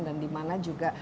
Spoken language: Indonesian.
dan dimana juga